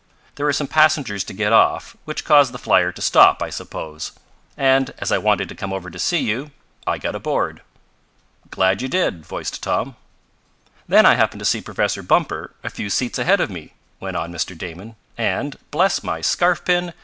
There were some passengers to get off, which caused the flier to stop, I suppose. And, as I wanted to come over to see you, I got aboard." "Glad you did," voiced Tom. "Then I happened to see Professor Bumper a few seats ahead of me," went on Mr. Damon, "and, bless my scarfpin!